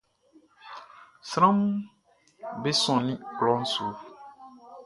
Sranʼm be sɔnnin klɔʼn su.